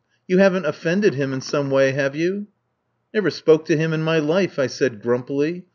You haven't offended him in some way, have you?" "Never spoke to him in my life," I said grumpily.